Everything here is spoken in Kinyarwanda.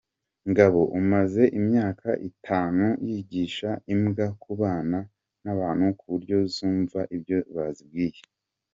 Ngabo umaze imyaka itanu yigisha imbwa kubana n’abantu ku buryo zumva ibyo bazibwiye.